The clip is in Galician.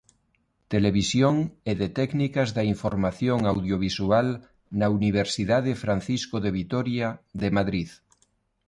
Televisión" e de Técnicas da Información Audiovisual na Universidade Francisco de Vitoria de Madrid.